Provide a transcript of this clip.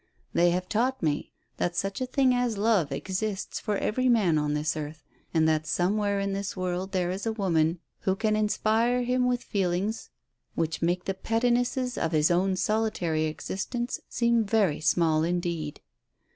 They have taught me that such a thing as love exists for every man on this earth, and that somewhere in this world there is a woman who can inspire him with feelings which make the pettinesses of his own solitary existence seem very small indeed.